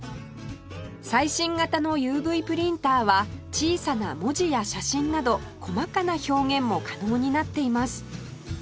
最新型の ＵＶ プリンターは小さな文字や写真など細かな表現も可能になっています